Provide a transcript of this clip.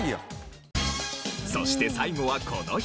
そして最後はこの人。